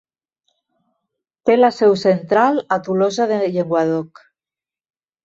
Té la seu central a Tolosa de Llenguadoc.